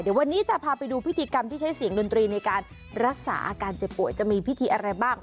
เดี๋ยววันนี้จะพาไปดูพิธีกรรมที่ใช้เสียงดนตรีในการรักษาอาการเจ็บป่วยจะมีพิธีอะไรบ้าง